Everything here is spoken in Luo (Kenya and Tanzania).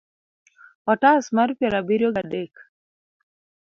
otas mar piero abiriyo gi adek